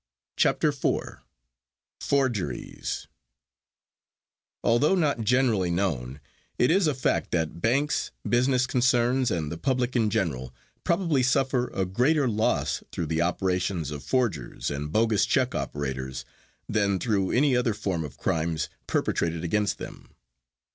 CHAPTER IV FORGERIES Although not generally known it is a fact that banks, business concerns, and the public in general probably suffer a greater loss through the operations of forgers and bogus check operators than through any other form of crimes perpetrated against them.